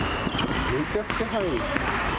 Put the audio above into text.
めちゃくちゃ入る。